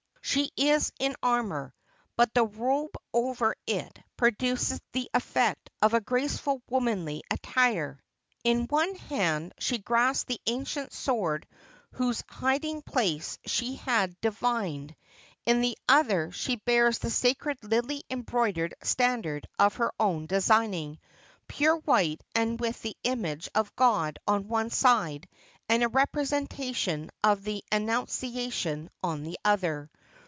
She is in armor, but the robe over it produces the effect of graceful womanly attire. In one hand she grasps the ancient sword whose hiding place she had divined; in the other she bears the sacred lily embroidered standard of her own designing, pure white and with the image of God on one side and a representation of the Annunciation on the other.